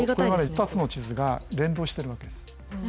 これは２つの地図が連動してるわけです。